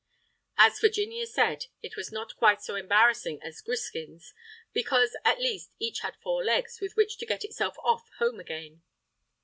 As Virginia said, it was not quite so embarrassing as griskins, because, at least, each had four legs with which to get itself off home again.